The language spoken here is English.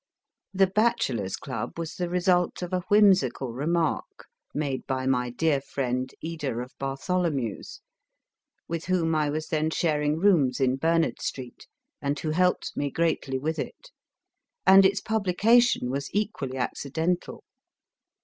The Bachelors Club was the result of a whimsical remark made by my dear friend, Eder of Bartholomew s, with whom I was then sharing rooms in Bernard Street, and who helped me greatly with it, and its publication was equally accidental.